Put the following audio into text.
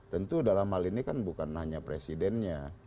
tentu dalam hal ini kan bukan hanya presidennya